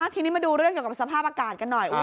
ทีนี้มาดูเรื่องเกี่ยวกับสภาพอากาศกันหน่อย